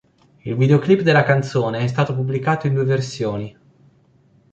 Il videoclip della canzone è stato pubblicato in due versioni.